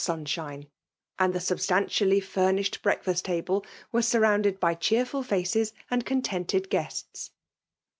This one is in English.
sunshine ; and the substantially furnished bmakfast table was surrounded by cheerfiil faces and contented guests.